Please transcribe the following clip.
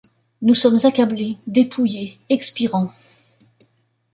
Nous sommes accablés, dépouillés, expirants